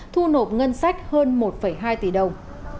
thu nộp ngân sách hơn một hai tỷ đồng